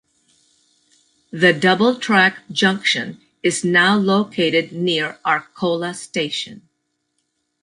The double track junction is now located near Arcola station.